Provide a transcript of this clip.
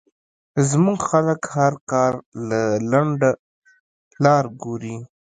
زمونږ خلک هر کار له لنډه لار ګوري